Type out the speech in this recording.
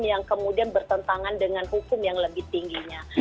yang kemudian bertentangan dengan hukum yang lebih tingginya